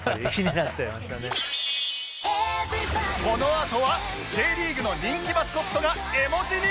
このあとは Ｊ リーグの人気マスコットが絵文字に？